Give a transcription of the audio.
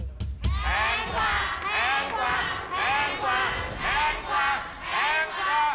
แพงกว่าแพงกว่า